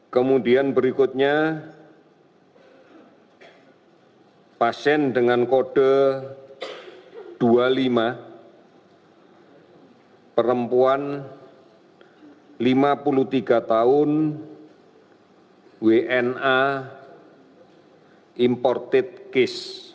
kemudian berikutnya pasien dengan kode dua puluh lima perempuan lima puluh tiga tahun wna imported case